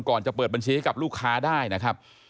ก่อนจะเปิดบัญชีให้กับลูกค้าได้นะครับ